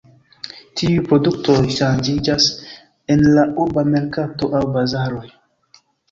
Tiuj produktoj ŝanĝiĝas en la urba merkato aŭ bazaroj.